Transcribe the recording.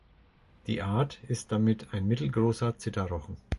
Die Art ist damit ein mittelgroßer Zitterrochen.